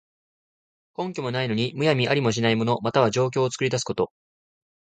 根拠もないのに、むやみにありもしない物、または情況を作り出すこと。